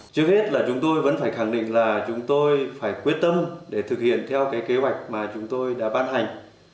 trước hết là chúng tôi vẫn phải khẳng định là chúng tôi phải quyết tâm để thực hiện theo cái kế hoạch mà chúng tôi đã ban hành